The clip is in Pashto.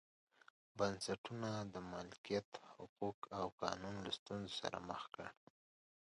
بنسټونو د مالکیت حقوق او قانون له ستونزو سره مخ کړي.